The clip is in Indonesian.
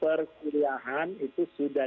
persuliahan itu sudah